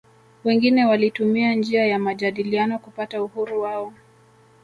Wengine walitumia njia ya majadiliano kupata uhuru wao